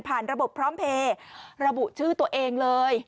ผ่านระบบพร้อมเภยระบุชื่อตัวเองเลย